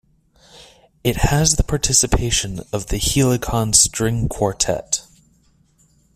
It has the participation of the Helicon String Quartet.